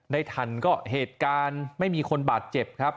ทันก็เหตุการณ์ไม่มีคนบาดเจ็บครับ